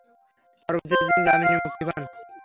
পরবর্তীতে তিনি জামিনে মুক্তি পান।